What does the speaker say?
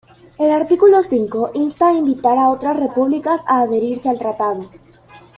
El artículo cinco insta a invitar a otras repúblicas a adherirse al tratado.